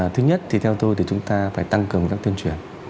thứ nhất thì theo tôi thì chúng ta phải tăng cường các tuyên truyền